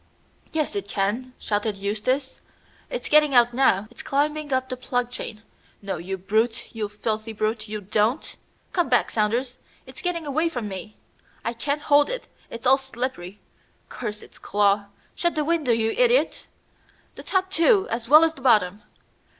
"Yes, it can," shouted Eustace. "It's getting out now. It's climbing up the plug chain. No, you brute, you filthy brute, you don't! Come back, Saunders, it's getting away from me. I can't hold it; it's all slippery. Curse its claw! Shut the window, you idiot! The top too, as well as the bottom.